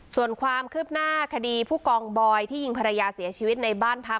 ส่วนความคืบหน้าคดีผู้กองบอยที่ยิงภรรยาเสียชีวิตในบ้านพัก